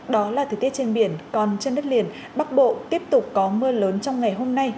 đó là thời tiết trên biển còn trên đất liền bắc bộ tiếp tục có mưa lớn trong ngày hôm nay